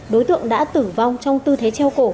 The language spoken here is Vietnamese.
đối tượng đã tử vong trong tư thế treo cổ